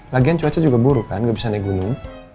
lagian cuaca juga buruk kan nggak bisa naik gunung